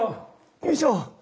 よいしょ。